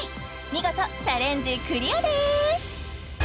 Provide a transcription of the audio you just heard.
見事チャレンジクリアです